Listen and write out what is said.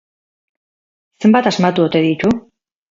Zenbat asmatu ote ditu?